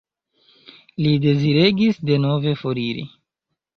Li deziregis denove foriri.